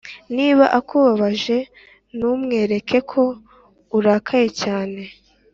niba akubabaje ntumwereke ko urakaye cyane